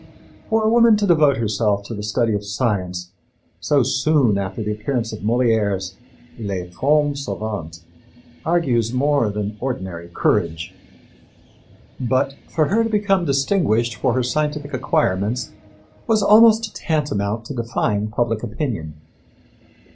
For a woman to devote herself to the study of science so soon after the appearance of Molière's Les Femmes Savantes argued more than ordinary courage. But for her to become distinguished for her scientific acquirements was almost tantamount to defying public opinion.